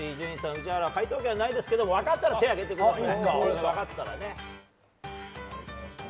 宇治原は解答権はないですけど分かったら手を挙げてください。